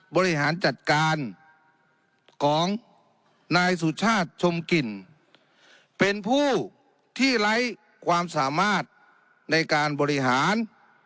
บริหารจัดการของนายสุชาติชมกลิ่นเป็นผู้ที่ไร้ความสามารถในการบริหาร